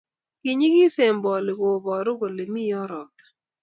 Kinyegisen bolik kooboru kole miyo robta